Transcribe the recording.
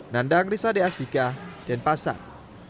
nandang risa deastika denpasar